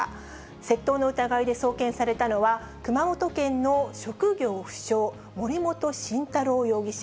窃盗の疑いで送検されたのは、熊本県の職業不詳、森本晋太郎容疑者